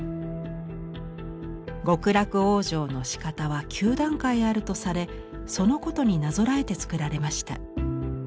極楽往生のしかたは９段階あるとされそのことになぞらえて作られました。